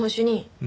うん？